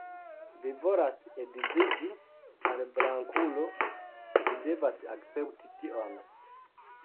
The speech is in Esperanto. Vi volas edziĝi al blankulo, vi devas akcepti tion.